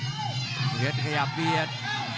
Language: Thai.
เพชรขยับเบียด